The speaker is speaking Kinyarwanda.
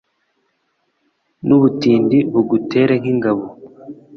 Nubutindi bugutere nkingabo